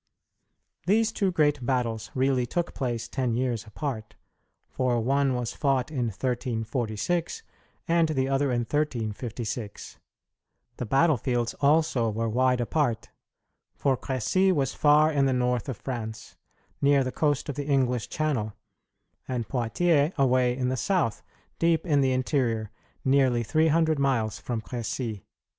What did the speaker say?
These two great battles really took place ten years apart; for one was fought in 1346 and the other in 1356. The battle fields also were wide apart; for Crecy was far in the north of France, near the coast of the English Channel, and Poitiers away in the south, deep in the interior, nearly three hundred miles from Crecy.